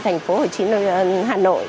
thành phố hồ chí minh hà nội